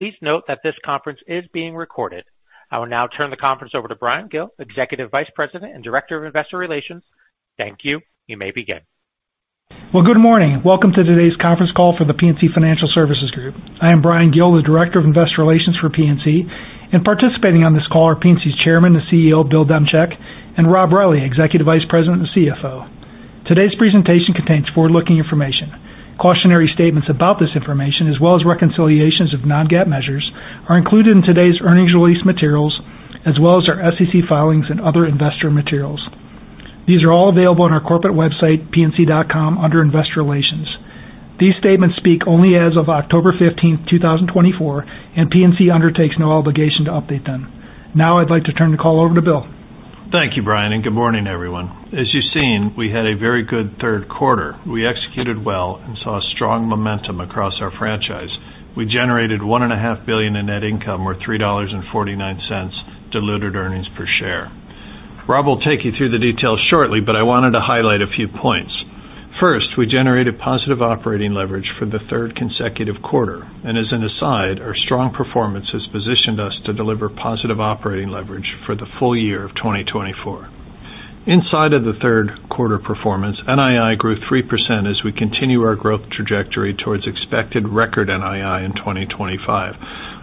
Please note that this conference is being recorded. I will now turn the conference over to Bryan Gill, Executive Vice President and Director of Investor Relations. Thank you. You may begin. Good morning. Welcome to today's conference call for the PNC Financial Services Group. I am Bryan Gill, the Director of Investor Relations for PNC, and participating on this call are PNC's Chairman and CEO, Bill Demchak, and Rob Reilly, Executive Vice President and CFO. Today's presentation contains forward-looking information. Cautionary statements about this information, as well as reconciliations of non-GAAP measures, are included in today's earnings release materials, as well as our SEC filings and other investor materials. These are all available on our corporate website, pnc.com, under Investor Relations. These statements speak only as of October 15th, 2024, and PNC undertakes no obligation to update them. Now I'd like to turn the call over to Bill. Thank you, Bryan, and good morning, everyone. As you've seen, we had a very good third quarter. We executed well and saw strong momentum across our franchise. We generated $1.5 billion in net income, or $3.49 diluted earnings per share. Rob will take you through the details shortly, but I wanted to highlight a few points. First, we generated positive operating leverage for the third consecutive quarter, and as an aside, our strong performance has positioned us to deliver positive operating leverage for the full year of 2024. Inside of the third quarter performance, NII grew 3% as we continue our growth trajectory towards expected record NII in 2025.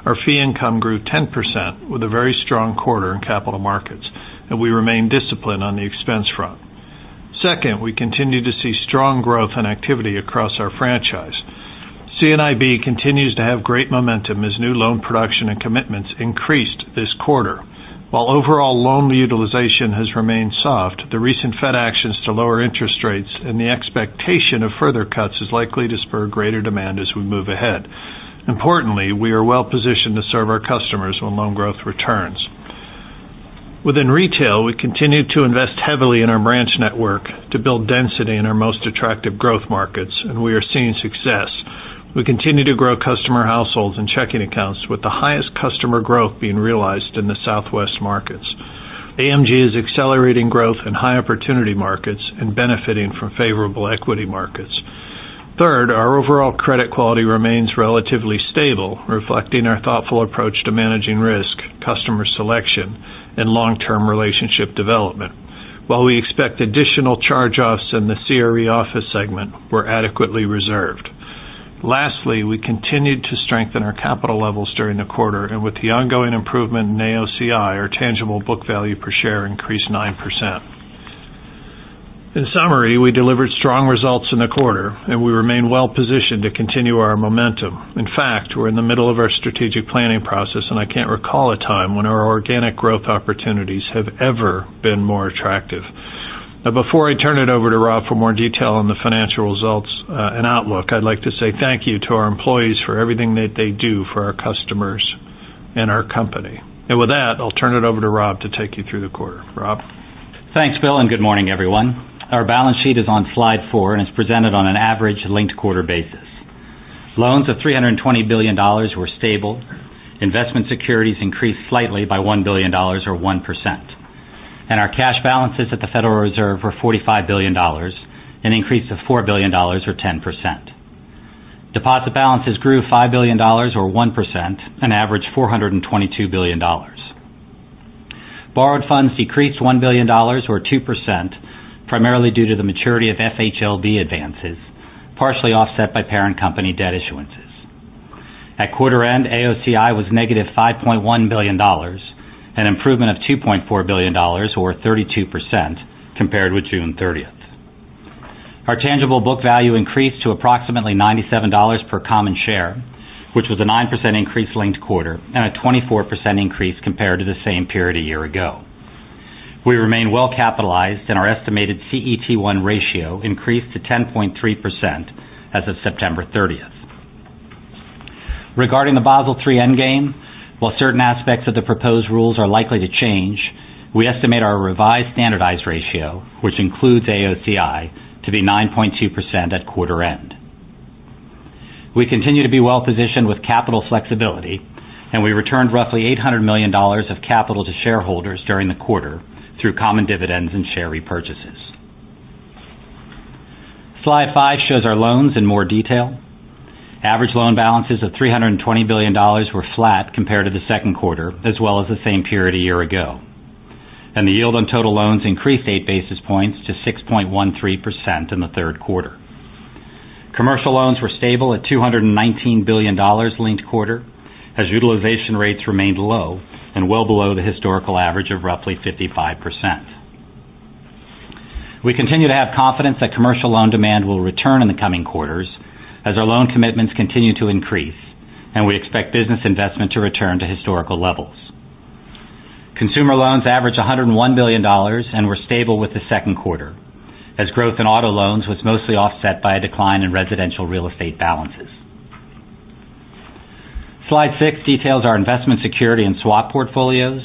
Our fee income grew 10%, with a very strong quarter in capital markets, and we remain disciplined on the expense front. Second, we continue to see strong growth and activity across our franchise. C&IB continues to have great momentum as new loan production and commitments increased this quarter. While overall loan utilization has remained soft, the recent Fed actions to lower interest rates and the expectation of further cuts is likely to spur greater demand as we move ahead. Importantly, we are well positioned to serve our customers when loan growth returns. Within retail, we continue to invest heavily in our branch network to build density in our most attractive growth markets, and we are seeing success. We continue to grow customer households and checking accounts, with the highest customer growth being realized in the Southwest markets. AMG is accelerating growth in high opportunity markets and benefiting from favorable equity markets. Third, our overall credit quality remains relatively stable, reflecting our thoughtful approach to managing risk, customer selection, and long-term relationship development. While we expect additional charge-offs in the CRE Office segment, we're adequately reserved. Lastly, we continued to strengthen our capital levels during the quarter, and with the ongoing improvement in AOCI, our tangible book value per share increased 9%. In summary, we delivered strong results in the quarter, and we remain well positioned to continue our momentum. In fact, we're in the middle of our strategic planning process, and I can't recall a time when our organic growth opportunities have ever been more attractive. Now, before I turn it over to Rob for more detail on the financial results, and outlook, I'd like to say thank you to our employees for everything that they do for our customers and our company. And with that, I'll turn it over to Rob to take you through the quarter. Rob? Thanks, Bill, and good morning, everyone. Our balance sheet is on slide four and is presented on an average linked quarter basis. Loans of $320 billion were stable. Investment securities increased slightly by $1 billion, or 1%, and our cash balances at the Federal Reserve were $45 billion, an increase of $4 billion, or 10%. Deposit balances grew $5 billion or 1%, an average $422 billion. Borrowed funds decreased $1 billion, or 2%, primarily due to the maturity of FHLB advances, partially offset by parent company debt issuances. At quarter end, AOCI was -$5.1 billion, an improvement of $2.4 billion, or 32%, compared with June 30th. Our tangible book value increased to approximately $97 per common share, which was a 9% increase linked quarter and a 24% increase compared to the same period a year ago. We remain well capitalized, and our estimated CET1 ratio increased to 10.3% as of September thirtieth. Regarding the Basel III Endgame, while certain aspects of the proposed rules are likely to change, we estimate our revised standardized ratio, which includes AOCI, to be 9.2% at quarter end. We continue to be well-positioned with capital flexibility, and we returned roughly $800 million of capital to shareholders during the quarter through common dividends and share repurchases. Slide five shows our loans in more detail. Average loan balances of $320 billion were flat compared to the second quarter, as well as the same period a year ago. The yield on total loans increased 8 basis points to 6.13% in the third quarter. Commercial loans were stable at $219 billion linked quarter, as utilization rates remained low and well below the historical average of roughly 55%. We continue to have confidence that commercial loan demand will return in the coming quarters as our loan commitments continue to increase, and we expect business investment to return to historical levels. Consumer loans averaged $101 billion and were stable with the second quarter, as growth in auto loans was mostly offset by a decline in residential real estate balances. Slide six details our investment securities and swap portfolios.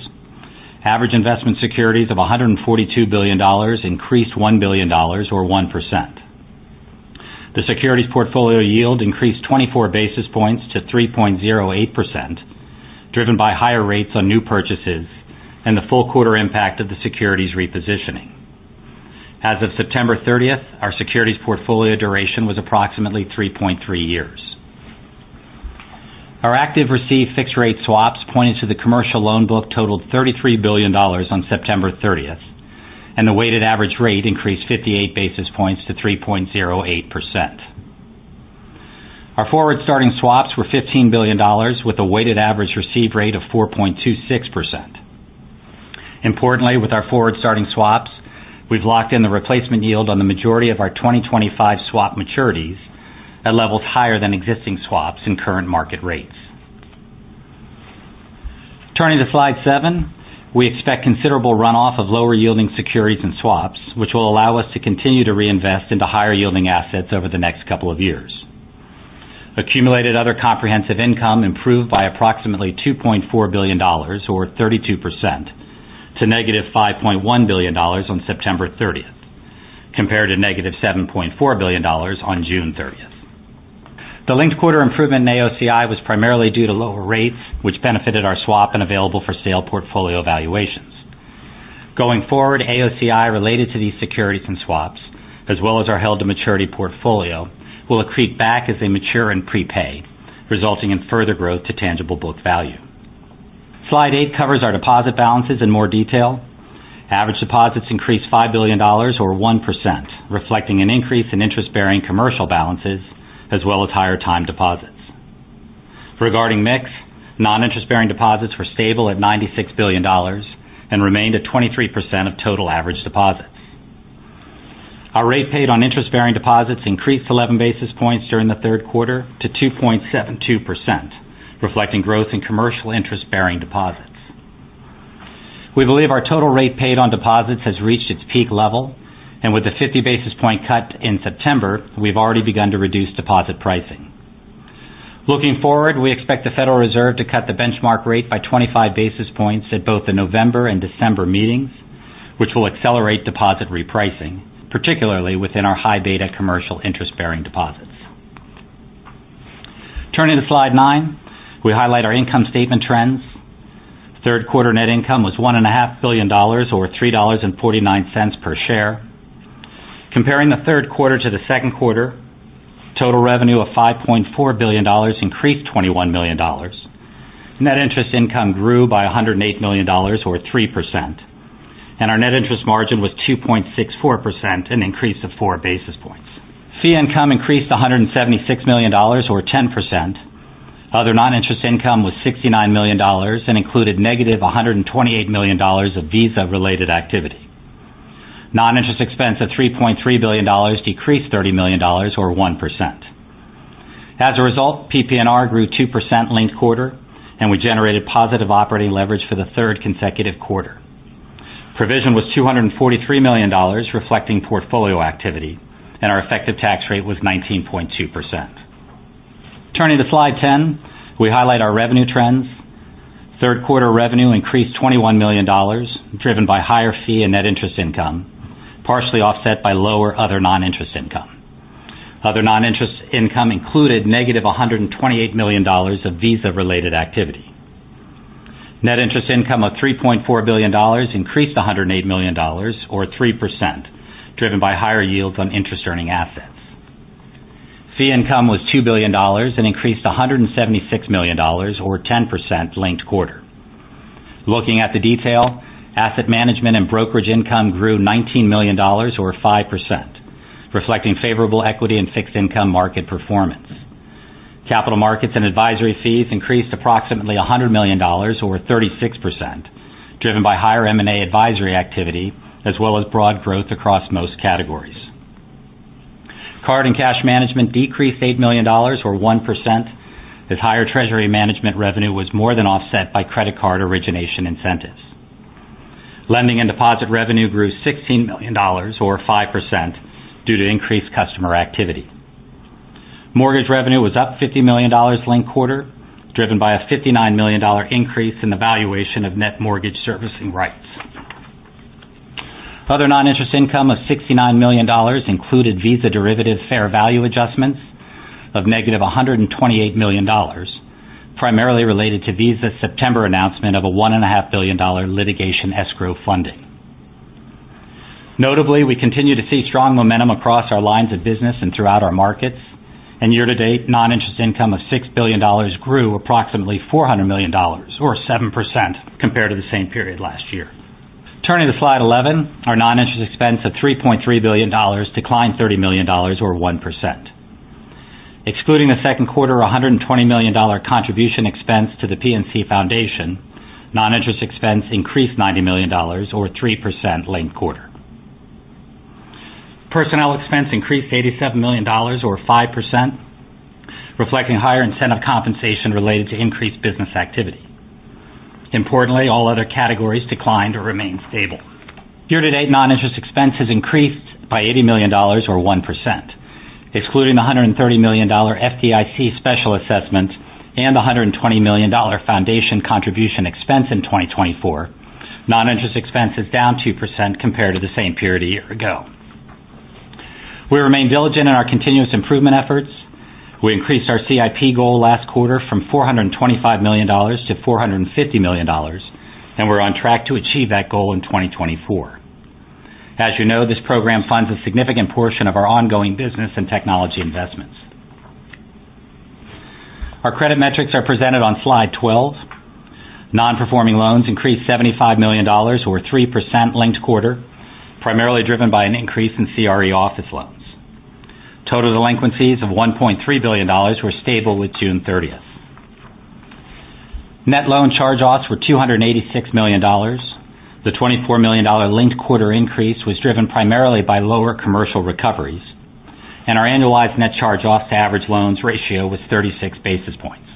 Average investment securities of $142 billion increased $1 billion, or 1%. The securities portfolio yield increased 24 basis points to 3.08%, driven by higher rates on new purchases and the full quarter impact of the securities repositioning. As of September 30th, our securities portfolio duration was approximately 3.3 years. Our active receive-fixed-rate swaps pointed to the commercial loan book totaled $33 billion on September 30th, and the weighted average rate increased 58 basis points to 3.08%. Our forward starting swaps were $15 billion, with a weighted average received rate of 4.26%. Importantly, with our forward starting swaps, we've locked in the replacement yield on the majority of our 2025 swap maturities at levels higher than existing swaps and current market rates. Turning to slide seven, we expect considerable runoff of lower yielding securities and swaps, which will allow us to continue to reinvest into higher yielding assets over the next couple of years. Accumulated Other Comprehensive Income improved by approximately $2.4 billion or 32%, to -$5.1 billion on September 30th, compared to -$7.4 billion on June 30th. The linked quarter improvement in AOCI was primarily due to lower rates, which benefited our swap and available for sale portfolio valuations. Going forward, AOCI, related to these securities and swaps, as well as our held to maturity portfolio, will accrete back as they mature and prepay, resulting in further growth to tangible book value. Slide eight covers our deposit balances in more detail. Average deposits increased $5 billion or 1%, reflecting an increase in interest-bearing commercial balances as well as higher time deposits. Regarding mix, non-interest-bearing deposits were stable at $96 billion and remained at 23% of total average deposits. Our rate paid on interest-bearing deposits increased 11 basis points during the third quarter to 2.72%, reflecting growth in commercial interest-bearing deposits. We believe our total rate paid on deposits has reached its peak level, and with the 50 basis point cut in September, we've already begun to reduce deposit pricing. Looking forward, we expect the Federal Reserve to cut the benchmark rate by 25 basis points at both the November and December meetings, which will accelerate deposit repricing, particularly within our high beta commercial interest-bearing deposits. Turning to slide nine, we highlight our income statement trends. Third quarter net income was $1.5 billion or $3.49 per share. Comparing the third quarter to the second quarter, total revenue of $5.4 billion increased $21 million. Net interest income grew by $108 million or 3%, and our net interest margin was 2.64%, an increase of 4 basis points. Fee income increased $176 million or 10%. Other non-interest income was $69 million and included negative $128 million of Visa-related activity. Non-interest expense of $3.3 billion decreased $30 million or 1%. As a result, PPNR grew 2% linked quarter, and we generated positive operating leverage for the third consecutive quarter. Provision was $243 million, reflecting portfolio activity, and our effective tax rate was 19.2%. Turning to slide 10, we highlight our revenue trends. Third quarter revenue increased $21 million, driven by higher fee and net interest income, partially offset by lower other non-interest income. Other non-interest income included -$128 million of Visa-related activity. Net interest income of $3.4 billion increased $108 million or 3%, driven by higher yields on interest-earning assets. Fee income was $2 billion and increased $176 million or 10% linked quarter. Looking at the detail, asset management and brokerage income grew $19 million or 5%, reflecting favorable equity and fixed income market performance. Capital markets and advisory fees increased approximately $100 million or 36%, driven by higher M&A advisory activity, as well as broad growth across most categories. Card and cash management decreased $8 million or 1%, as higher treasury management revenue was more than offset by credit card origination incentives. Lending and deposit revenue grew $16 million or 5% due to increased customer activity. Mortgage revenue was up $50 million linked quarter, driven by a $59 million increase in the valuation of net mortgage servicing rights. Other non-interest income of $69 million included Visa derivative fair value adjustments of -$128 million, primarily related to Visa's September announcement of a $1.5 billion litigation escrow funding. Notably, we continue to see strong momentum across our lines of business and throughout our markets, and year-to-date, non-interest income of $6 billion grew approximately $400 million or 7% compared to the same period last year. Turning to slide 11, our non-interest expense of $3.3 billion declined $30 million or 1%. Excluding the second quarter, a $120 million contribution expense to the PNC Foundation, non-interest expense increased $90 million or 3% linked quarter. Personnel expense increased $87 million or 5%, reflecting higher incentive compensation related to increased business activity. Importantly, all other categories declined or remained stable. Year-to-date, non-interest expense has increased by $80 million or 1%. Excluding the $130 million FDIC special assessment and the $120 million foundation contribution expense in 2024, non-interest expense is down 2% compared to the same period a year ago. We remain diligent in our continuous improvement efforts. We increased our CIP goal last quarter from $425 million to $450 million, and we're on track to achieve that goal in 2024. As you know, this program funds a significant portion of our ongoing business and technology investments. Our credit metrics are presented on slide 12. Non-performing loans increased $75 million or 3% linked quarter, primarily driven by an increase in CRE office loans. Total delinquencies of $1.3 billion were stable at June 30th. Net loan charge-offs were $286 million. The $24 million linked quarter increase was driven primarily by lower commercial recoveries, and our annualized net charge-offs to average loans ratio was 36 basis points.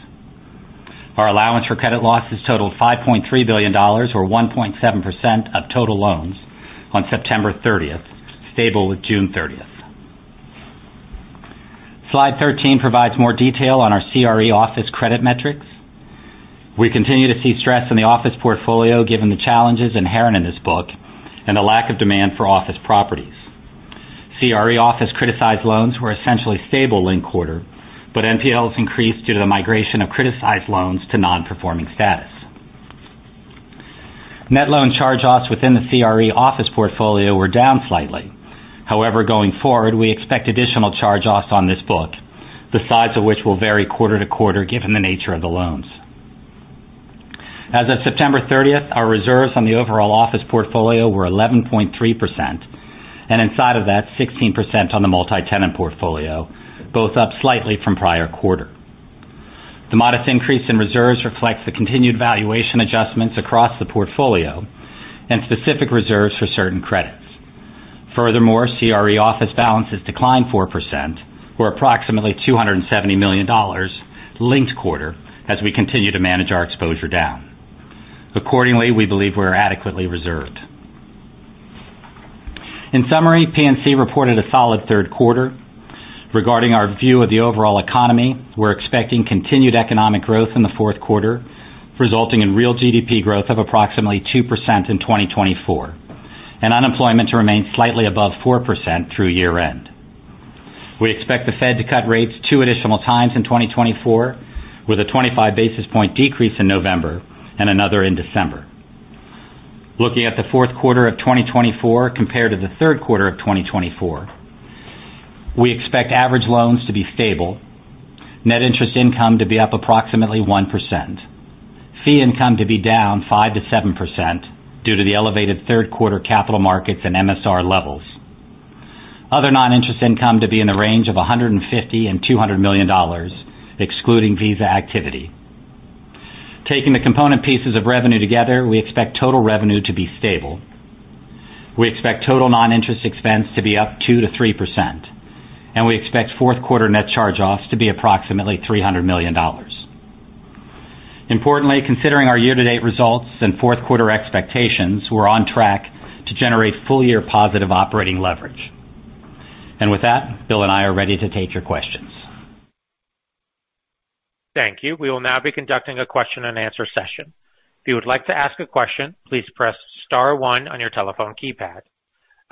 Our allowance for credit losses totaled $5.3 billion, or 1.7% of total loans on September 30th, stable at June 30th. Slide 13 provides more detail on our CRE office credit metrics. We continue to see stress in the office portfolio, given the challenges inherent in this book and the lack of demand for office properties. CRE office criticized loans were essentially stable linked quarter, but NPLs increased due to the migration of criticized loans to non-performing status. Net loan charge-offs within the CRE office portfolio were down slightly. However, going forward, we expect additional charge-offs on this book, the size of which will vary quarter-to-quarter, given the nature of the loans. As of September thirtieth, our reserves on the overall office portfolio were 11.3%, and inside of that, 16% on the multi-tenant portfolio, both up slightly from prior quarter. The modest increase in reserves reflects the continued valuation adjustments across the portfolio and specific reserves for certain credits. Furthermore, CRE office balances declined 4%, or approximately $270 million linked quarter as we continue to manage our exposure down. Accordingly, we believe we're adequately reserved. In summary, PNC reported a solid third quarter. Regarding our view of the overall economy, we're expecting continued economic growth in the fourth quarter, resulting in real GDP growth of approximately 2% in 2024, and unemployment to remain slightly above 4% through year-end. We expect the Fed to cut rates two additional times in 2024, with a 25 basis point decrease in November and another in December. Looking at the fourth quarter of 2024 compared to the third quarter of 2024, we expect average loans to be stable, net interest income to be up approximately 1%, fee income to be down 5%-7% due to the elevated third quarter capital markets and MSR levels. Other non-interest income to be in the range of $150 million-$200 million, excluding Visa activity. Taking the component pieces of revenue together, we expect total revenue to be stable. We expect total non-interest expense to be up 2%-3%, and we expect fourth quarter net charge-offs to be approximately $300 million. Importantly, considering our year-to-date results and fourth quarter expectations, we're on track to generate full-year positive operating leverage. And with that, Bill and I are ready to take your questions. Thank you. We will now be conducting a question-and-answer session. If you would like to ask a question, please press star one on your telephone keypad.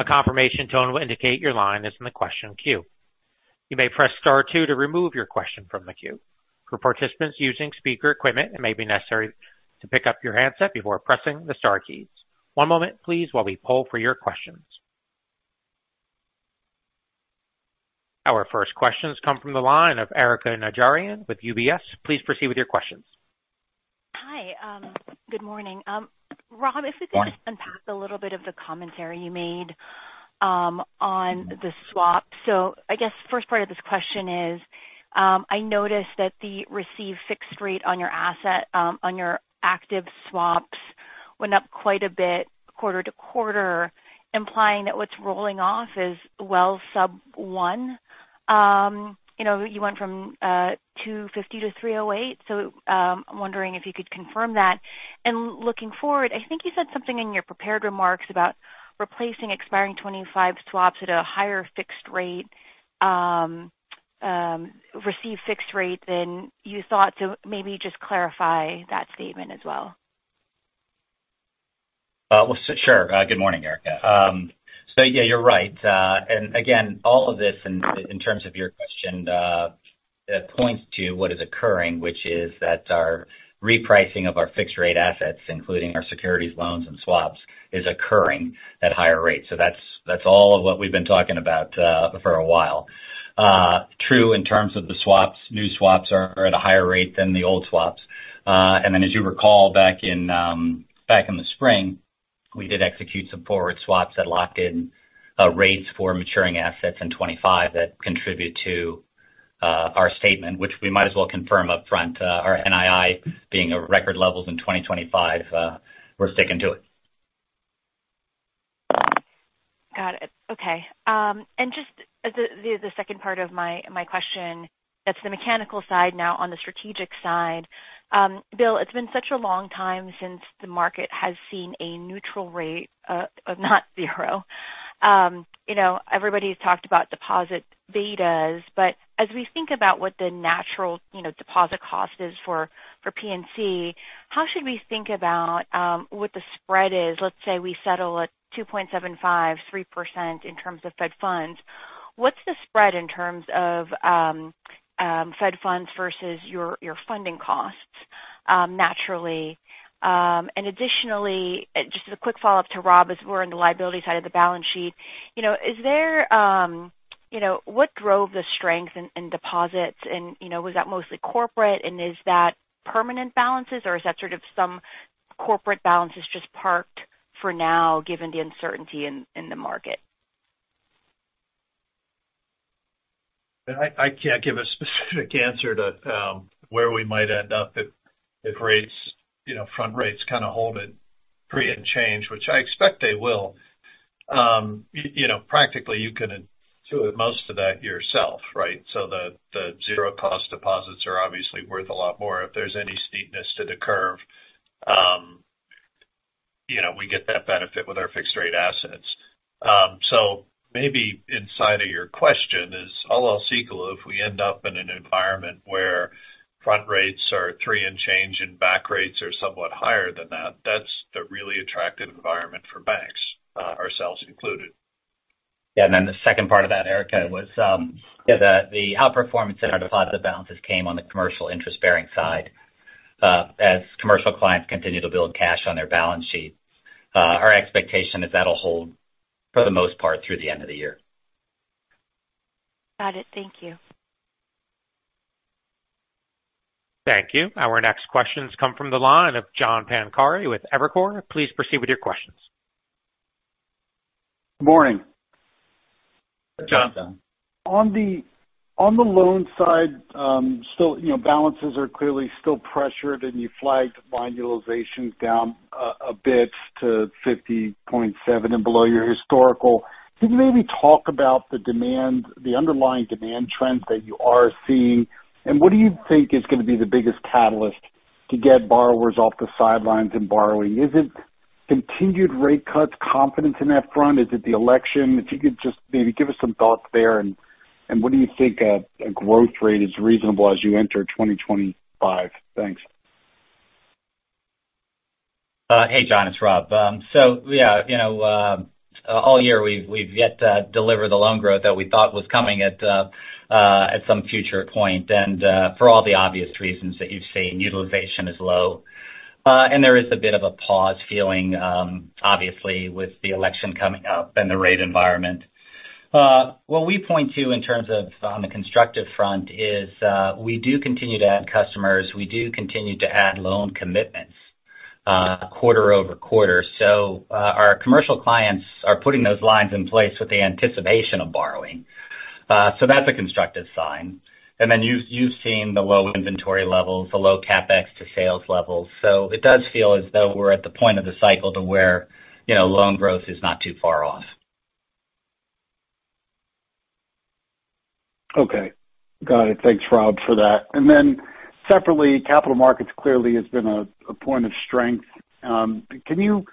A confirmation tone will indicate your line is in the question queue. You may press star two to remove your question from the queue. For participants using speaker equipment, it may be necessary to pick up your handset before pressing the star keys. One moment, please, while we poll for your questions. Our first questions come from the line of Erika Najarian with UBS. Please proceed with your questions. Hi, good morning. Rob- Good morning. If we could just unpack a little bit of the commentary you made on the swap. So I guess first part of this question is, I noticed that the received fixed rate on your asset on your active swaps went up quite a bit quarter-to-quarter, implying that what's rolling off is well sub one. You know, you went from 2.50 to 3.08. So, I'm wondering if you could confirm that. And looking forward, I think you said something in your prepared remarks about replacing expiring 2025 swaps at a higher fixed rate, received fixed rate than you thought. So maybe just clarify that statement as well. Sure. Good morning, Erika. So yeah, you're right. And again, all of this in terms of your question points to what is occurring, which is that our repricing of our fixed rate assets, including our securities, loans, and swaps, is occurring at higher rates. So that's all of what we've been talking about for a while. True, in terms of the swaps, new swaps are at a higher rate than the old swaps. And then, as you recall, back in the spring, we did execute some forward swaps that locked in rates for maturing assets in 2025 that contribute to our statement, which we might as well confirm upfront, our NII being at record levels in 2025, we're sticking to it. Got it. Okay. And just as the second part of my question, that's the mechanical side now on the strategic side. Bill, it's been such a long time since the market has seen a neutral rate of not zero. You know, everybody's talked about deposit betas, but as we think about what the natural, you know, deposit cost is for PNC, how should we think about what the spread is? Let's say we settle at 2.75%-3% in terms of Fed funds.... What's the spread in terms of, Fed funds versus your funding costs, naturally? And additionally, just as a quick follow-up to Rob, as we're in the liability side of the balance sheet, you know, what drove the strength in deposits? And, you know, was that mostly corporate, and is that permanent balances, or is that sort of some corporate balances just parked for now, given the uncertainty in the market? And I can't give a specific answer to where we might end up if rates, you know, front rates kind of hold at three and change, which I expect they will. You know, practically, you can do most of that yourself, right? So the zero cost deposits are obviously worth a lot more. If there's any steepness to the curve, you know, we get that benefit with our fixed rate assets. So maybe inside of your question is, all else equal, if we end up in an environment where front rates are three and change, and back rates are somewhat higher than that, that's the really attractive environment for banks, ourselves included. Yeah, and then the second part of that, Erika, was yeah, the outperformance in our deposit balances came on the commercial interest-bearing side. As commercial clients continue to build cash on their balance sheets, our expectation is that'll hold for the most part, through the end of the year. Got it. Thank you. Thank you. Our next questions come from the line of John Pancari with Evercore. Please proceed with your questions. Good morning. John. On the loan side, still, you know, balances are clearly still pressured, and you flagged line utilization down a bit to 50.7 and below your historical. Can you maybe talk about the demand, the underlying demand trends that you are seeing, and what do you think is gonna be the biggest catalyst to get borrowers off the sidelines and borrowing? Is it continued rate cuts, confidence in that front? Is it the election? If you could just maybe give us some thoughts there, and what do you think a growth rate is reasonable as you enter 2025? Thanks. Hey, John, it's Rob. So yeah, you know, all year, we've yet to deliver the loan growth that we thought was coming at some future point, and for all the obvious reasons that you've seen. Utilization is low, and there is a bit of a pause feeling, obviously, with the election coming up and the rate environment. What we point to in terms of on the constructive front is, we do continue to add customers, we do continue to add loan commitments, quarter-over-quarter. So, our commercial clients are putting those lines in place with the anticipation of borrowing. So that's a constructive sign. And then you've seen the low inventory levels, the low CapEx to sales levels, so it does feel as though we're at the point of the cycle to where, you know, loan growth is not too far off. Okay. Got it. Thanks, Rob, for that. And then separately, capital markets clearly has been a point of strength. Can you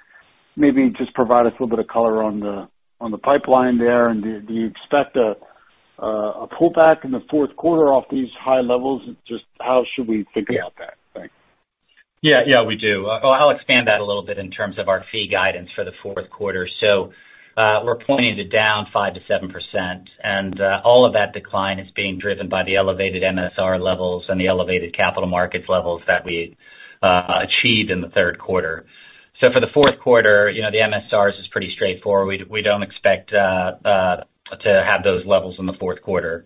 maybe just provide us a little bit of color on the pipeline there? And do you expect a pullback in the fourth quarter off these high levels? Just how should we think about that? Thanks. Yeah, yeah, we do. I'll expand that a little bit in terms of our fee guidance for the fourth quarter. So, we're pointing to down 5%-7%, and all of that decline is being driven by the elevated MSR levels and the elevated capital markets levels that we achieved in the third quarter. So for the fourth quarter, you know, the MSRs is pretty straightforward. We don't expect to have those levels in the fourth quarter,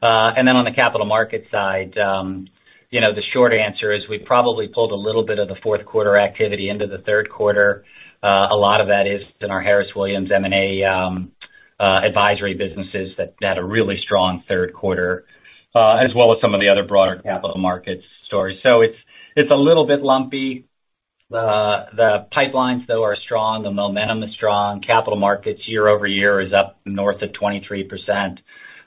and then on the capital market side, you know, the short answer is we probably pulled a little bit of the fourth quarter activity into the third quarter. A lot of that is in our Harris Williams M&A advisory businesses that had a really strong third quarter, as well as some of the other broader capital markets stories. So it's, it's a little bit lumpy. The pipelines, though, are strong, the momentum is strong. Capital markets year-over-year is up north of 23%.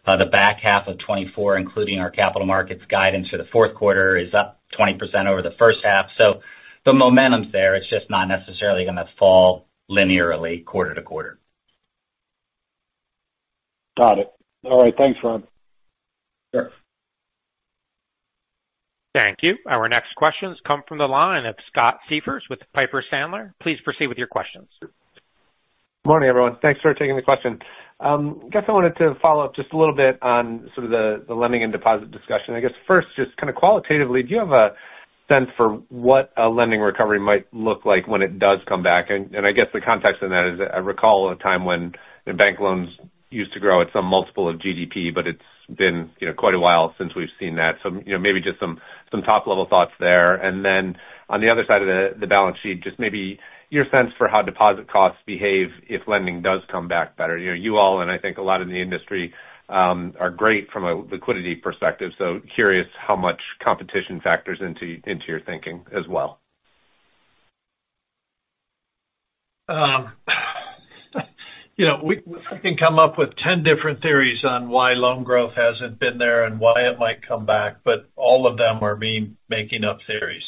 The back half of 2024, including our capital markets guidance for the fourth quarter, is up 20% over the first half. So the momentum's there. It's just not necessarily gonna fall linearly quarter-to-quarter. Got it. All right, thanks, Rob. Sure. Thank you. Our next questions come from the line of Scott Siefers with Piper Sandler. Please proceed with your questions. Morning, everyone. Thanks for taking the question. Guess I wanted to follow up just a little bit on sort of the lending and deposit discussion. I guess first, just kind of qualitatively, do you have a sense for what a lending recovery might look like when it does come back? And I guess the context in that is I recall a time when bank loans used to grow at some multiple of GDP, but it's been, you know, quite a while since we've seen that. So, you know, maybe just some top-level thoughts there. And then on the other side of the balance sheet, just maybe your sense for how deposit costs behave if lending does come back better. You know, you all, and I think a lot in the industry are great from a liquidity perspective, so curious how much competition factors into your thinking as well. You know, we can come up with 10 different theories on why loan growth hasn't been there and why it might come back, but all of them are me making up theories.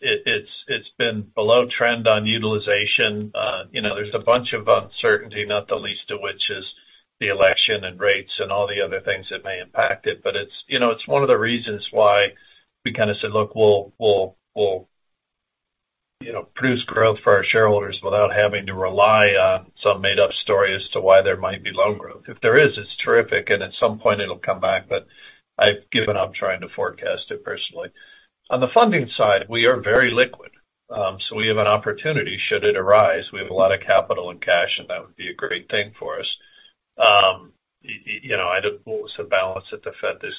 It's been below trend on utilization. You know, there's a bunch of uncertainty, not the least of which is the election and rates and all the other things that may impact it. But it's, you know, it's one of the reasons why we kind of said, "Look, we'll, you know, produce growth for our shareholders without having to rely on some made-up story as to why there might be loan growth. If there is, it's terrific, and at some point it'll come back, but I've given up trying to forecast it personally. On the funding side, we are very liquid. So we have an opportunity, should it arise. We have a lot of capital and cash, and that would be a great thing for us. What was the balance at the Fed this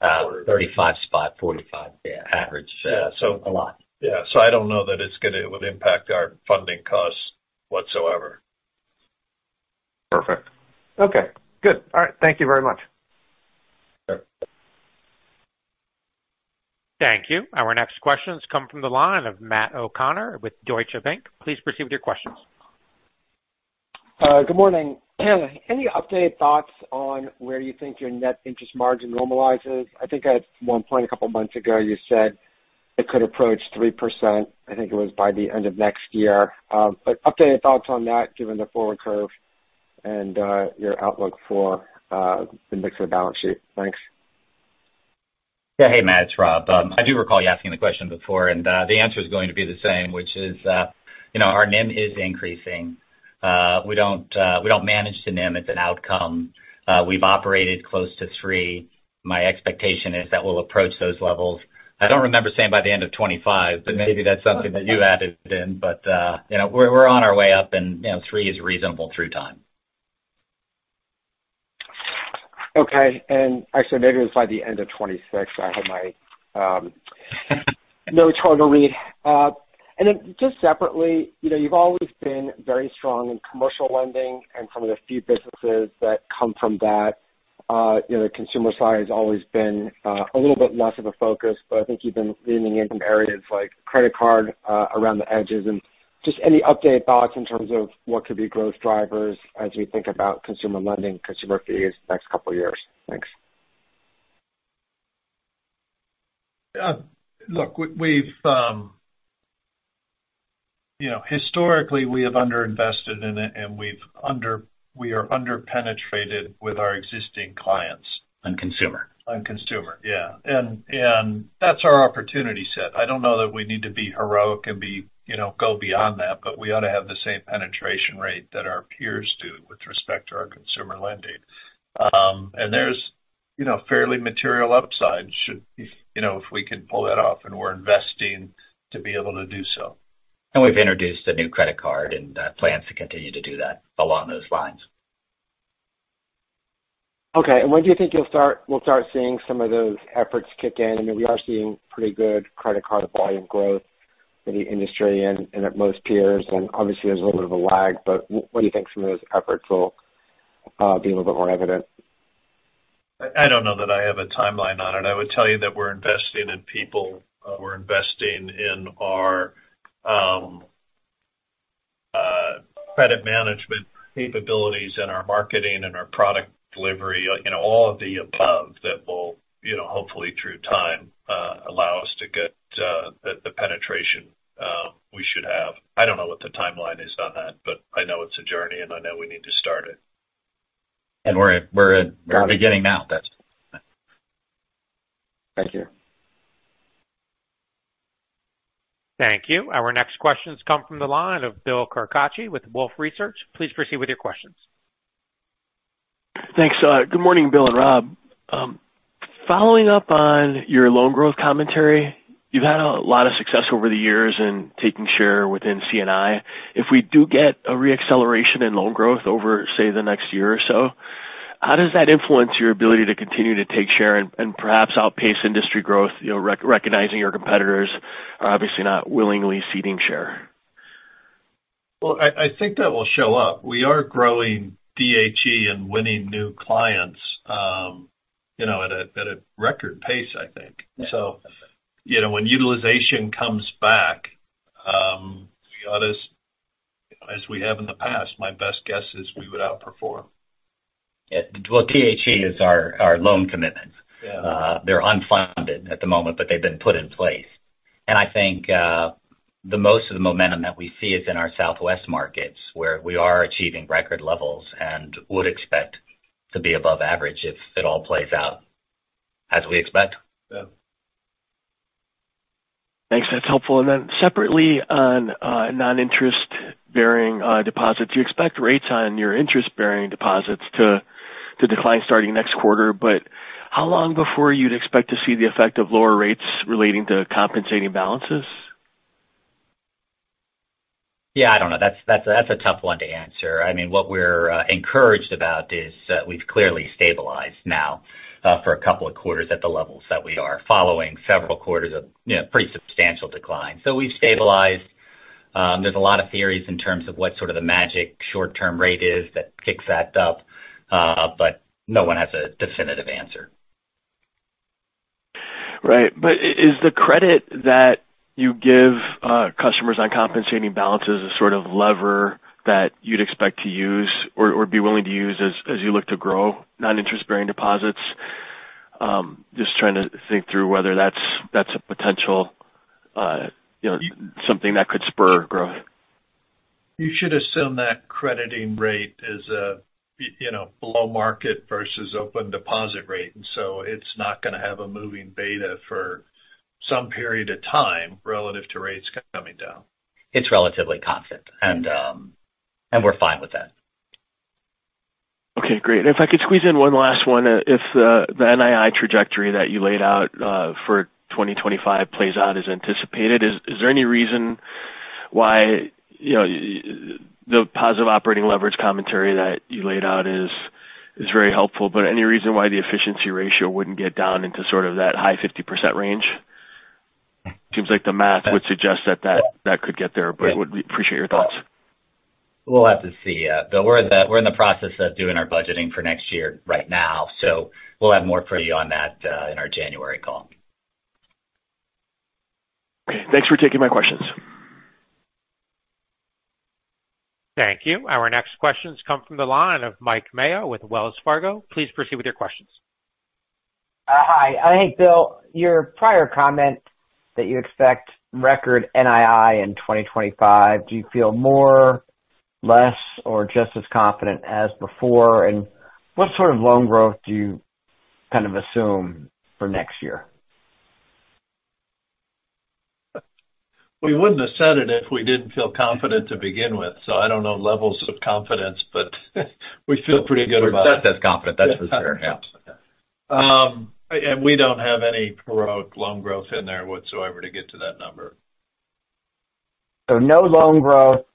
quarter? Thirty-five spot, 45. Yeah, average. Yeah. A lot. Yeah, so I don't know that it would impact our funding costs whatsoever. Perfect. Okay, good. All right. Thank you very much. Sure. Thank you. Our next questions come from the line of Matt O'Connor with Deutsche Bank. Please proceed with your questions. Good morning. Any updated thoughts on where you think your net interest margin normalizes? I think at one point a couple months ago, you said it could approach 3%. I think it was by the end of next year. But updated thoughts on that, given the forward curve and your outlook for the mix of the balance sheet. Thanks. Yeah. Hey, Matt, it's Rob. I do recall you asking the question before, and the answer is going to be the same, which is, you know, our NIM is increasing. We don't manage the NIM, it's an outcome. We've operated close to three. My expectation is that we'll approach those levels. I don't remember saying by the end of 2025, but maybe that's something that you added in. But, you know, we're on our way up, and, you know, three is reasonable through time. Okay. And actually, maybe it was by the end of 2026. I had my notes wrong to read. And then just separately, you know, you've always been very strong in commercial lending and some of the fee businesses that come from that. You know, the consumer side has always been a little bit less of a focus, but I think you've been leaning into areas like credit card around the edges. And just any updated thoughts in terms of what could be growth drivers as we think about consumer lending, consumer fees the next couple of years? Thanks. Look, we've, you know, historically, we have underinvested in it, and we are under-penetrated with our existing clients. On consumer. On consumer, yeah. And that's our opportunity set. I don't know that we need to be heroic and be, you know, go beyond that, but we ought to have the same penetration rate that our peers do with respect to our consumer lending. And there's, you know, fairly material upside, should, you know, if we can pull that off, and we're investing to be able to do so. And we've introduced a new credit card and plans to continue to do that along those lines. Okay. And when do you think you'll start—we'll start seeing some of those efforts kick in? I mean, we are seeing pretty good credit card volume growth in the industry and at most peers, and obviously there's a little bit of a lag, but when do you think some of those efforts will be a little bit more evident? I don't know that I have a timeline on it. I would tell you that we're investing in people, we're investing in our credit management capabilities and our marketing and our product delivery, you know, all of the above that will, you know, hopefully, through time, allow us to get the penetration we should have. I don't know what the timeline is on that, but I know it's a journey, and I know we need to start it. And we're at. Got it. We're beginning now. Thank you. Thank you. Our next questions come from the line of Bill Carcache with Wolfe Research. Please proceed with your questions. Thanks. Good morning, Bill and Rob. Following up on your loan growth commentary, you've had a lot of success over the years in taking share within C&I. If we do get a reacceleration in loan growth over, say, the next year or so, how does that influence your ability to continue to take share and perhaps outpace industry growth, you know, recognizing your competitors are obviously not willingly ceding share? I think that will show up. We are growing DHE and winning new clients, you know, at a record pace, I think. Yeah. You know, when utilization comes back, we ought to, as we have in the past, my best guess is we would outperform. Yeah. Well, the is our loan commitments. Yeah. They're unfunded at the moment, but they've been put in place. And I think, the most of the momentum that we see is in our Southwest markets, where we are achieving record levels and would expect to be above average if it all plays out as we expect. Yeah. Thanks. That's helpful. And then separately, on non-interest bearing deposits, you expect rates on your interest-bearing deposits to decline starting next quarter, but how long before you'd expect to see the effect of lower rates relating to compensating balances? Yeah, I don't know. That's a tough one to answer. I mean, what we're encouraged about is that we've clearly stabilized now for a couple of quarters at the levels that we are, following several quarters of, you know, pretty substantial decline. So we've stabilized. There's a lot of theories in terms of what sort of the magic short-term rate is that kicks that up, but no one has a definitive answer. Right. But is the credit that you give customers on compensating balances a sort of lever that you'd expect to use or be willing to use as you look to grow non-interest-bearing deposits? Just trying to think through whether that's a potential you know something that could spur growth. You should assume that crediting rate is, you know, below market versus open deposit rate. And so it's not gonna have a moving beta for some period of time relative to rates coming down. It's relatively constant, and we're fine with that. Okay, great. And if I could squeeze in one last one. If the NII trajectory that you laid out for 2025 plays out as anticipated, is there any reason why, you know, the positive operating leverage commentary that you laid out is very helpful, but any reason why the efficiency ratio wouldn't get down into sort of that high 50% range? Seems like the math would suggest that that could get there, but would appreciate your thoughts. We'll have to see, Bill. We're in the process of doing our budgeting for next year right now, so we'll have more for you on that, in our January call. Okay. Thanks for taking my questions. Thank you. Our next questions come from the line of Mike Mayo with Wells Fargo. Please proceed with your questions. Hi. Hey, Bill, your prior comment that you expect record NII in 2025, do you feel more, less, or just as confident as before? And what sort of loan growth do you kind of assume for next year? We wouldn't have said it if we didn't feel confident to begin with, so I don't know levels of confidence, but we feel pretty good about it. We're just as confident. That's for sure. Yeah. And we don't have any loan growth in there whatsoever to get to that number. So no loan growth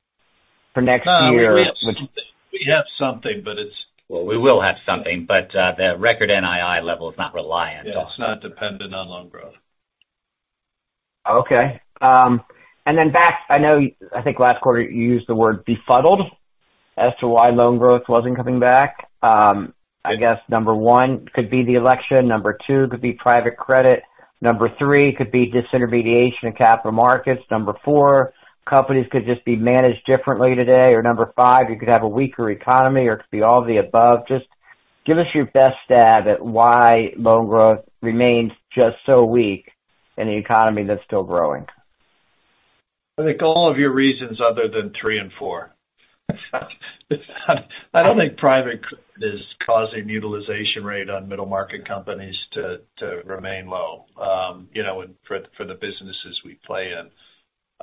for next year? We have something, but it's- We will have something, but the record NII level is not reliant on- Yeah, it's not dependent on loan growth. Okay. And then I think last quarter you used the word befuddled as to why loan growth wasn't coming back. I guess number one, could be the election. Number two, could be private credit. Number three, could be disintermediation in capital markets. Number four, companies could just be managed differently today. Or number five, you could have a weaker economy, or it could be all of the above. Just give us your best stab at why loan growth remains just so weak in an economy that's still growing. I think all of your reasons, other than three and four. I don't think private is causing utilization rate on middle market companies to remain low, you know, and for the businesses we play in.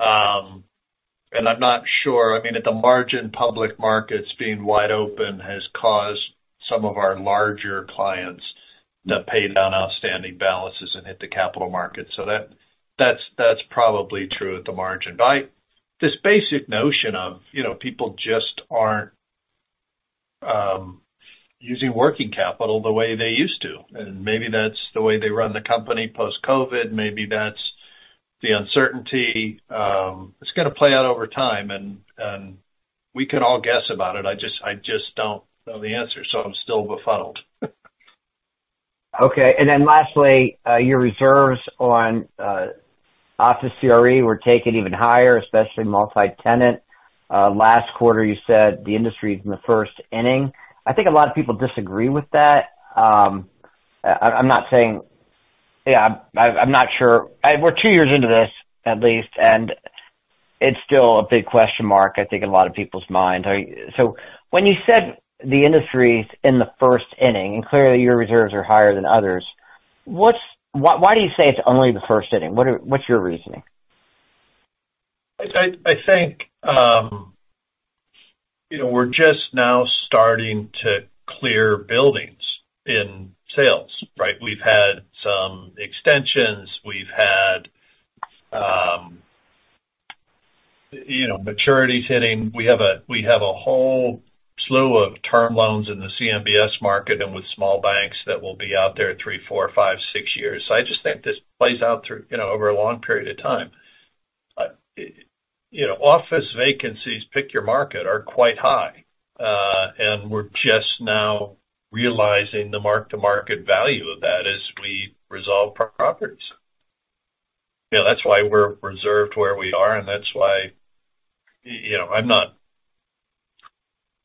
I'm not sure. I mean, at the margin, public markets being wide open has caused some of our larger clients to pay down outstanding balances and hit the capital markets. So that's probably true at the margin. But this basic notion of, you know, people just aren't using working capital the way they used to, and maybe that's the way they run the company post-COVID. Maybe that's the uncertainty. It's gonna play out over time, and we can all guess about it. I just don't know the answer, so I'm still befuddled. Okay. And then lastly, your reserves on office CRE were taken even higher, especially multi-tenant. Last quarter, you said the industry is in the first inning. I think a lot of people disagree with that. I'm not saying... Yeah, I'm not sure. We're two years into this, at least, and it's still a big question mark, I think, in a lot of people's minds. So when you said the industry is in the first inning, and clearly your reserves are higher than others, why, why do you say it's only the first inning? What's your reasoning? I think, you know, we're just now starting to clear buildings in sales, right? We've had some extensions. We've had, you know, maturities hitting. We have a whole slew of term loans in the CMBS market and with small banks that will be out there three, four, five, six years. So I just think this plays out through, you know, over a long period of time. You know, office vacancies, pick your market, are quite high, and we're just now realizing the mark-to-market value of that as we resolve properties. You know, that's why we're reserved where we are, and that's why, you know, I'm not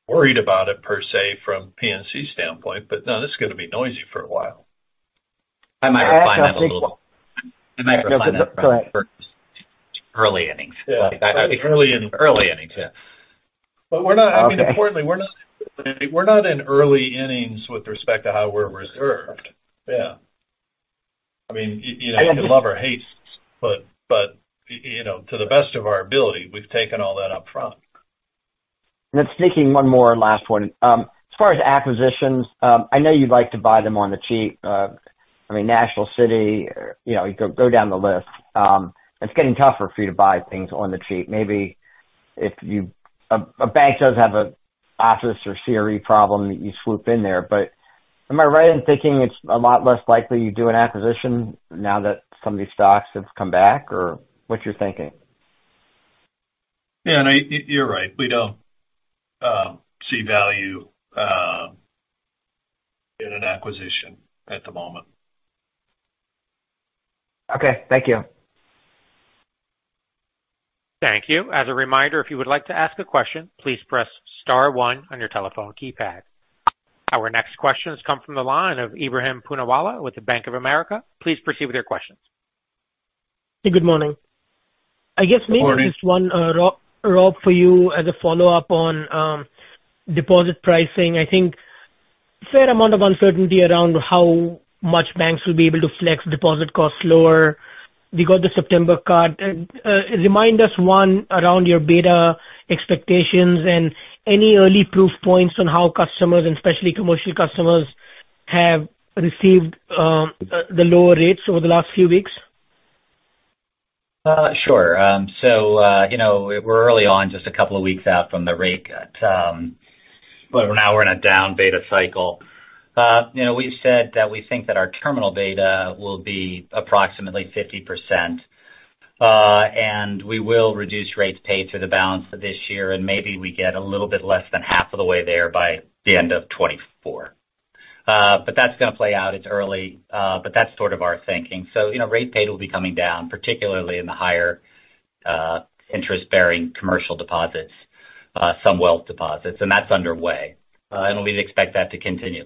worried about it, per se, from PNC's standpoint, but no, this is gonna be noisy for a while. I might refine that a little. Go ahead. Early innings. Yeah. I think early innings, yeah. But we're not- Okay. I mean, importantly, we're not in early innings with respect to how we're reserved. Yeah. I mean, you know, I love our haste, but you know, to the best of our ability, we've taken all that up front. And then sneaking one more last one. As far as acquisitions, I know you'd like to buy them on the cheap. I mean, National City, you know, you go down the list. It's getting tougher for you to buy things on the cheap. Maybe if you... A, a bank does have a office or CRE problem, you swoop in there, but am I right in thinking it's a lot less likely you'd do an acquisition now that some of these stocks have come back? Or what's your thinking? Yeah, no, you're right. We don't see value in an acquisition at the moment. Okay. Thank you. Thank you. As a reminder, if you would like to ask a question, please press star one on your telephone keypad. Our next question has come from the line of Ebrahim Poonawala with Bank of America. Please proceed with your questions. Good morning. I guess maybe just one, Rob, for you as a follow-up on deposit pricing. I think fair amount of uncertainty around how much banks will be able to flex deposit costs lower. We got the September cut. And remind us, one, around your beta expectations and any early proof points on how customers, and especially commercial customers, have received the lower rates over the last few weeks? Sure. So, you know, we're early on, just a couple of weeks out from the rate cut, but now we're in a down beta cycle. You know, we've said that we think that our terminal beta will be approximately 50%, and we will reduce rates paid through the balance of this year, and maybe we get a little bit less than half of the way there by the end of 2024. But that's gonna play out. It's early, but that's sort of our thinking. So, you know, rate paid will be coming down, particularly in the higher interest-bearing commercial deposits, some wealth deposits, and that's underway, and we'd expect that to continue.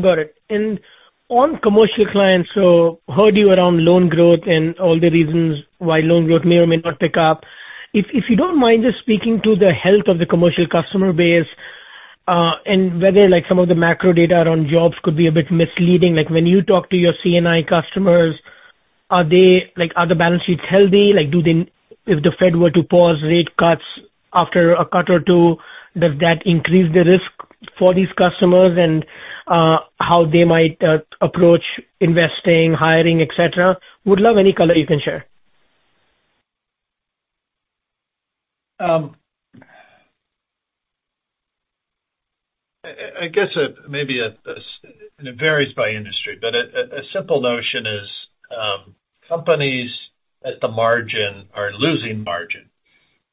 Got it. And on commercial clients, so heard you around loan growth and all the reasons why loan growth may or may not pick up. If you don't mind just speaking to the health of the commercial customer base, and whether, like some of the macro data around jobs could be a bit misleading. Like, when you talk to your C&I customers, are they... Like, are the balance sheets healthy? Like, do they—if the Fed were to pause rate cuts after a cut or two, does that increase the risk for these customers, and how they might approach investing, hiring, et cetera? Would love any color you can share. I guess maybe a simple notion is companies at the margin are losing margin,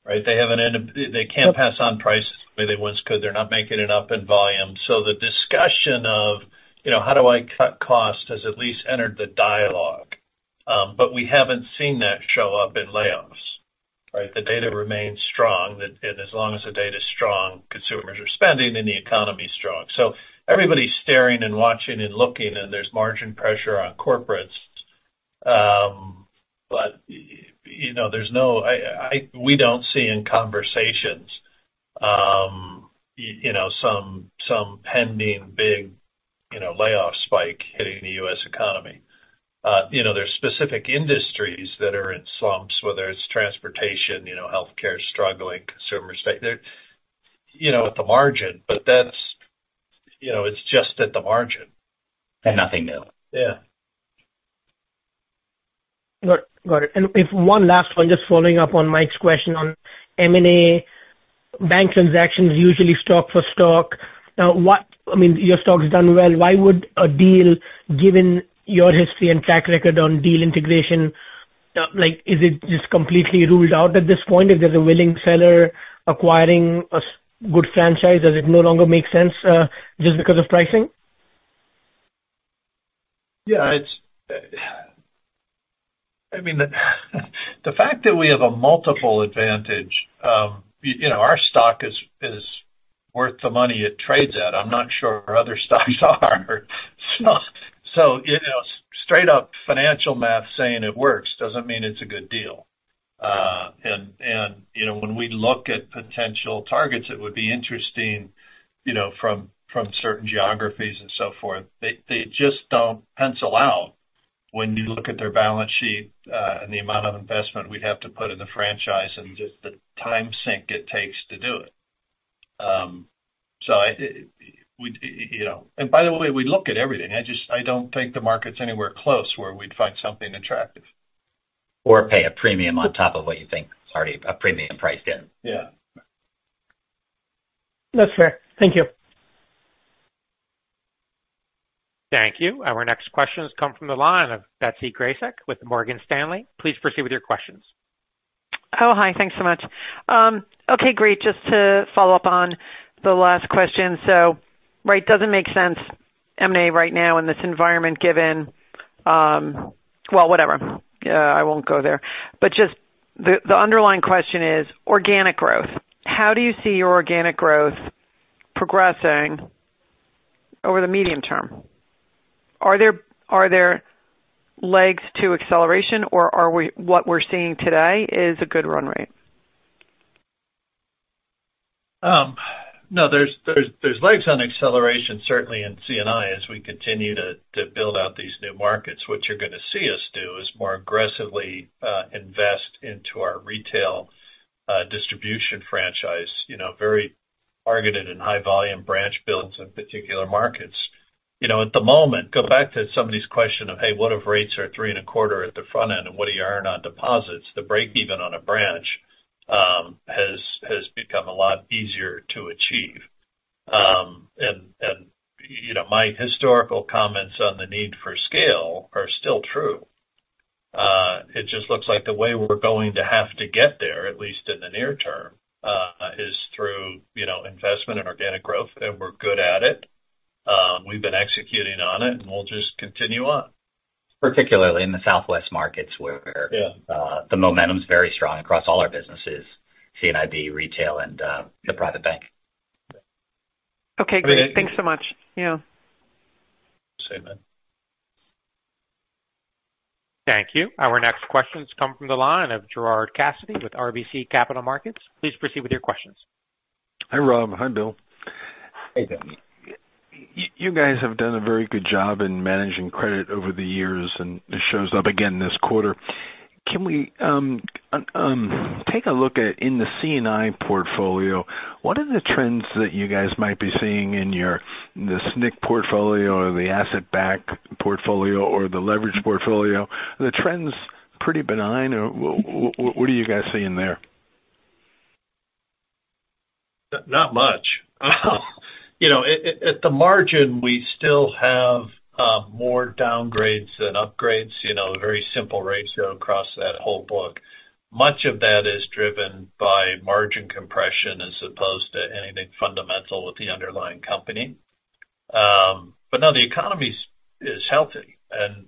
right? They can't pass on prices the way they once could. They're not making it up in volume. So the discussion of, you know, how do I cut costs, has at least entered the dialogue. But we haven't seen that show up in layoffs, right? The data remains strong, and as long as the data's strong, consumers are spending, and the economy is strong. So everybody's staring and watching and looking, and there's margin pressure on corporates. But you know, there's no... we don't see in conversations, you know, some pending big, you know, layoff spike hitting the U.S. economy. You know, there's specific industries that are in slumps, whether it's transportation, you know, healthcare, struggling consumer space. They're, you know, at the margin, but that's, you know, it's just at the margin. Nothing new. Yeah. Got it. Got it. And if one last one, just following up on Mike's question on M&A. Bank transactions usually stock for stock. Now, what? I mean, your stock has done well. Why would a deal, given your history and track record on deal integration, like is it just completely ruled out at this point? If there's a willing seller acquiring a good franchise, does it no longer make sense, just because of pricing? Yeah, it's. I mean, the fact that we have a multiple advantage, you know, our stock is worth the money it trades at. I'm not sure other stocks are. So, you know, straight up financial math saying it works doesn't mean it's a good deal. And, you know, when we look at potential targets, it would be interesting, you know, from certain geographies and so forth, they just don't pencil out when you look at their balance sheet, and the amount of investment we'd have to put in the franchise and just the time sink it takes to do it. So, you know. And by the way, we look at everything. I just don't think the market's anywhere close where we'd find something attractive. Or pay a premium on top of what you think is already a premium price again. Yeah. That's fair. Thank you. Thank you. Our next question has come from the line of Betsy Graseck with Morgan Stanley. Please proceed with your questions. Oh, hi. Thanks so much. Okay, great. Just to follow up on the last question. So, right, doesn't make sense, M&A right now in this environment, given, well, whatever. I won't go there. But just the underlying question is organic growth. How do you see your organic growth progressing over the medium term? Are there legs to acceleration or is what we're seeing today a good run rate? No, there's legs on acceleration, certainly in C&I, as we continue to build out these new markets. What you're gonna see us do is more aggressively invest into our retail distribution franchise, you know, very targeted and high volume branch builds in particular markets. You know, at the moment, go back to somebody's question of: Hey, what if rates are three and a quarter at the front end, and what do you earn on deposits? The break even on a branch has become a lot easier to achieve, and you know, my historical comments on the need for scale are still true. It just looks like the way we're going to have to get there, at least in the near term, is through you know, investment and organic growth, and we're good at it. We've been executing on it, and we'll just continue on. Particularly in the Southwest markets, where- Yeah... the momentum's very strong across all our businesses, C&IB, retail, and the private bank.... Okay, great. Thanks so much. Yeah. Same then. Thank you. Our next questions come from the line of Gerard Cassidy with RBC Capital Markets. Please proceed with your questions. Hi, Rob. Hi, Bill. Hey, Gerard. You guys have done a very good job in managing credit over the years, and it shows up again this quarter. Can we take a look at, in the C&I portfolio, what are the trends that you guys might be seeing in your the SNC portfolio or the asset-backed portfolio or the leverage portfolio? Are the trends pretty benign, or what are you guys seeing there? Not much. You know, at the margin, we still have more downgrades than upgrades, you know, very simple ratio across that whole book. Much of that is driven by margin compression, as opposed to anything fundamental with the underlying company. But no, the economy is healthy, and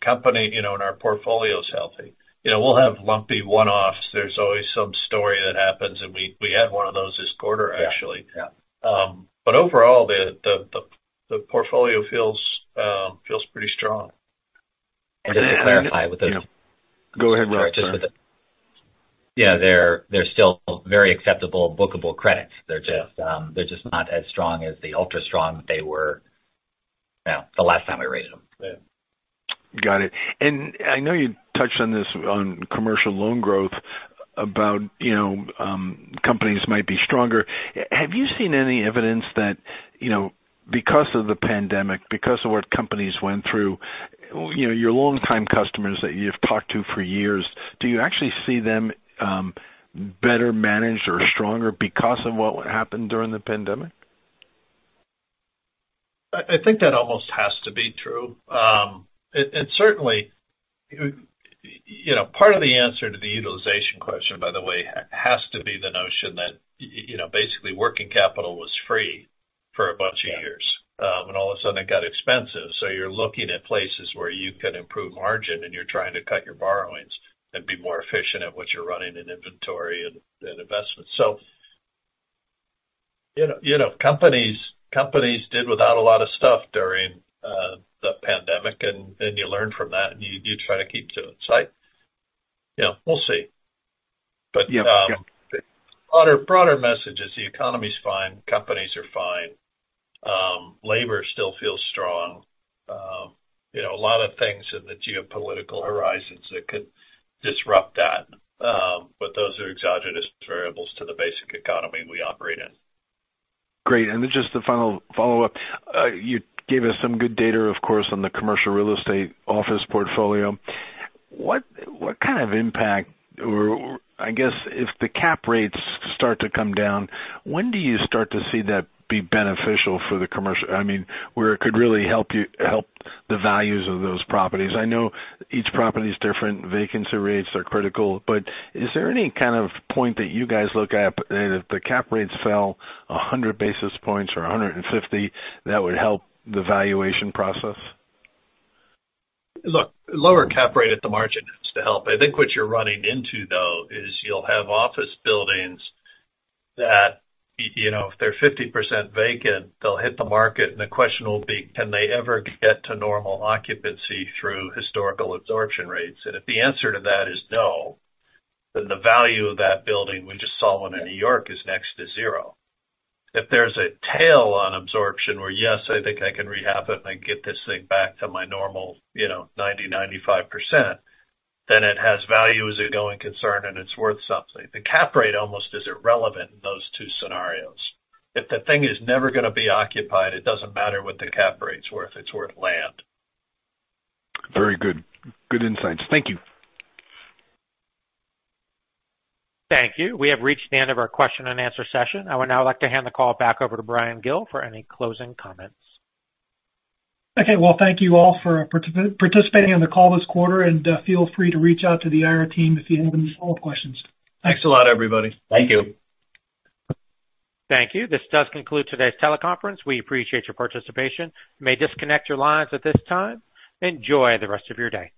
company, you know, and our portfolio's healthy. You know, we'll have lumpy one-offs. There's always some story that happens, and we had one of those this quarter, actually. Yeah. Yeah. But overall, the portfolio feels pretty strong. And just to clarify with those- Go ahead, Rob, sorry. Yeah, they're still very acceptable, bookable credits. They're just not as strong as the ultra strong they were, yeah, the last time we raised them. Yeah. Got it, and I know you touched on this on commercial loan growth about, you know, companies might be stronger. Have you seen any evidence that, you know, because of the pandemic, because of what companies went through, you know, your longtime customers that you've talked to for years, do you actually see them, better managed or stronger because of what happened during the pandemic? I think that almost has to be true. It certainly... You know, part of the answer to the utilization question, by the way, has to be the notion that you know, basically, working capital was free for a bunch of years. Yeah. And all of a sudden, it got expensive, so you're looking at places where you can improve margin, and you're trying to cut your borrowings and be more efficient at what you're running in inventory and investments. So, you know, companies did without a lot of stuff during the pandemic, and you learn from that, and you try to keep to it. So, yeah, we'll see. Yeah. Yeah. But, other broader message is the economy's fine, companies are fine. Labor still feels strong. You know, a lot of things in the geopolitical horizons that could disrupt that, but those are exogenous variables to the basic economy we operate in. Great. And then just a final follow-up. You gave us some good data, of course, on the commercial real estate office portfolio. What kind of impact, or I guess if the cap rates start to come down, when do you start to see that be beneficial for the commercial? I mean, where it could really help you, help the values of those properties. I know each property is different, vacancy rates are critical, but is there any kind of point that you guys look at, if the cap rates fell 100 basis points or a hundred and fifty, that would help the valuation process? Look, lower cap rate at the margin starts to help. I think what you're running into, though, is you'll have office buildings that you know, if they're 50% vacant, they'll hit the market, and the question will be: Can they ever get to normal occupancy through historical absorption rates? And if the answer to that is no, then the value of that building, we just saw one in New York, is next to zero. If there's a tail on absorption, where, yes, I think I can rehab it, and I get this thing back to my normal, you know, 90%-95%, then it has value as a going concern, and it's worth something. The cap rate almost is irrelevant in those two scenarios. If the thing is never gonna be occupied, it doesn't matter what the cap rate's worth. It's worth land. Very good. Good insights. Thank you. Thank you. We have reached the end of our question-and-answer session. I would now like to hand the call back over to Bryan Gill for any closing comments. Okay, well, thank you all for participating on the call this quarter, and feel free to reach out to the IR team if you have any follow-up questions. Thanks a lot, everybody. Thank you. Thank you. This does conclude today's teleconference. We appreciate your participation. You may disconnect your lines at this time. Enjoy the rest of your day.